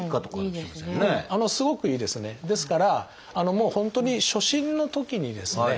ですからもう本当に初診のときにですね